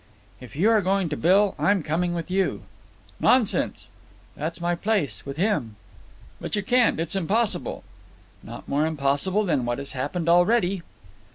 "If you are going to Bill, I am coming with you." "Nonsense." "That's my place—with him." "But you can't. It's impossible." "Not more impossible than what has happened already."